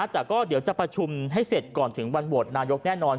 แต่ก็เดี๋ยวจะประชุมให้เสร็จก่อนถึงวันโหวตนายกแน่นอน